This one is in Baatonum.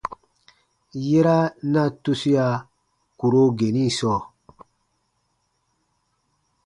Yera na tusia kùro geni sɔɔ.